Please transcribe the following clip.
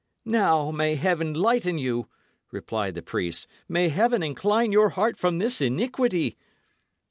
"Now, may Heaven lighten you!" replied the priest; "may Heaven incline your heart from this iniquity!"